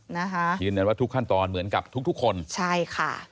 นะฮะคิดแน่นว่าทุกขั้นตอนเหมือนกับทุกคนใช่ค่ะ